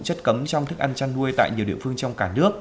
chất cấm trong thức ăn chăn nuôi tại nhiều địa phương